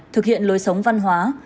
thực hiện lối sống văn hóa